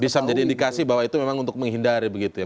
bisa menjadi indikasi bahwa itu memang untuk menghindari begitu ya